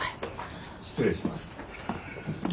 失礼します。